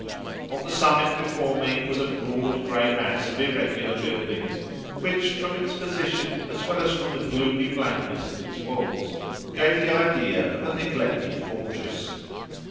On the summit before me was a broad, grey mass of irregular building, which from its position, as well as from the gloomy blankness of its walls, gave the idea of a neglected fortress.